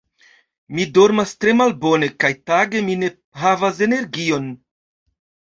Mi dormas tre malbone, kaj tage mi ne havas energion.